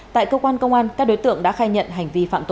tại cơ quan công an các đối tượng đã khai nhận hành vi phạm tội